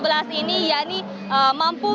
pemain kopi yang tersebut